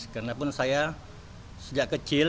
karena pun saya sejak kecil